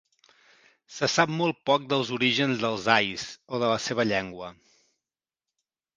Se sap molt poc dels orígens dels ais o de la seva llengua.